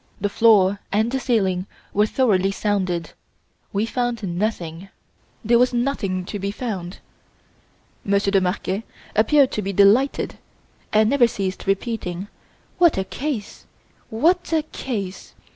The floor and the ceiling were thoroughly sounded. We found nothing. There was nothing to be found. Monsieur de Marquet appeared to be delighted and never ceased repeating: "What a case! What a case!